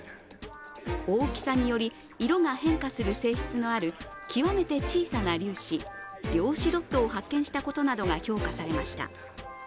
大きさにより色が変化する性質のある極めて小さな粒子、量子ドットを発見したことなどが評価されました。